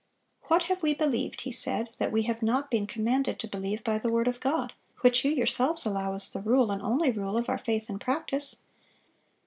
"What have we believed," he said, "that we have not been commanded to believe by the word of God, which you yourselves allow is the rule, and only rule, of our faith and practice?